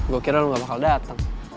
gue kira lo gak bakal dateng